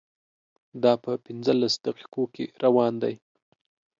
دا په پنځلس دقیقو کې روان دی.